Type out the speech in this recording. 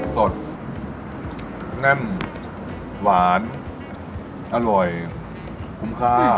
สดแน่นหวานอร่อยคุ้มค่า